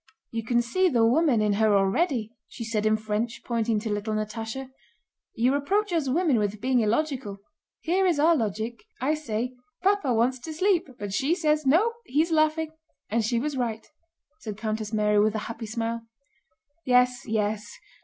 "You can see the woman in her already," she said in French, pointing to little Natásha. "You reproach us women with being illogical. Here is our logic. I say: 'Papa wants to sleep!' but she says, 'No, he's laughing.' And she was right," said Countess Mary with a happy smile. "Yes, yes."